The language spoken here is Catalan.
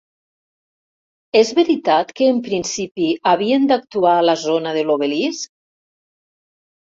És veritat que en principi havien d'actuar a la zona de l'obelisc?